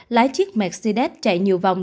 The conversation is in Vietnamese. lái chiếc mercedes chạy nhiều vòng